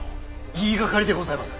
言いがかりでございます！